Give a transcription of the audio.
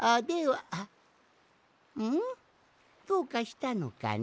どうかしたのかね？